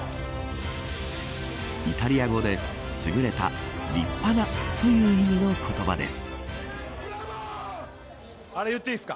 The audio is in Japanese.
イタリア語で優れた、立派なという意味の言葉です。